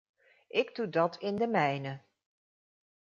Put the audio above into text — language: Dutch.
Ik doe dat in de mijne.